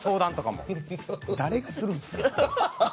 誰がするんですか。